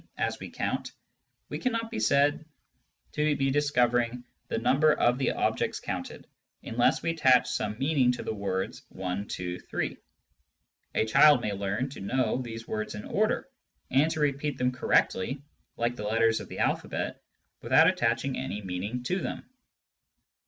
as we count, we cannot be said to be discovering the number of the objects counted unless we attach some meaning Digitized by Google THE POSITIVE THEORY OF INFINITY 189 to the words one, two, three, ... A child may learn to know these words in order, and to repeat them correctly like the letters of the alphabet, without attach ing any meaning to them.